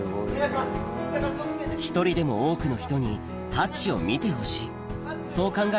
１人でも多くの人にハッチを見てほしいそう考え